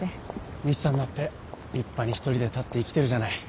みちさんだって立派に一人で立って生きてるじゃない。